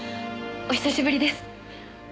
お久しぶりです。